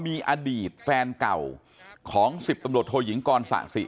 มีอดีตแฟนเก่าของ๑๐ตำรวจโทยิงกรสะสิ